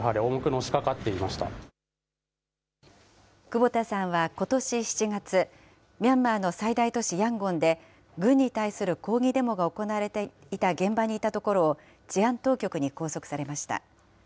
久保田さんはことし７月、ミャンマーの最大都市ヤンゴンで、軍に対する抗議デモが行われていた現場にいたところを治安当局に拘束されました。